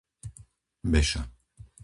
Beša